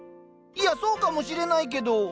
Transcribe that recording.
いやそうかもしれないけど。